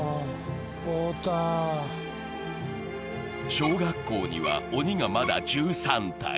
小学校には、鬼がまだ１３体。